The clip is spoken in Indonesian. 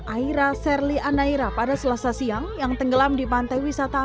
aira serli anaira pada selasa siang yang tenggelam di pantai wisata